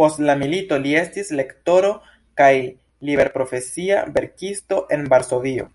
Post la milito li estis lektoro kaj liberprofesia verkisto en Varsovio.